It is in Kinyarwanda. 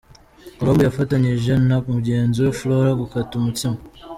Colombe yafatanyije na mugenzi we Flora gukata umutsima.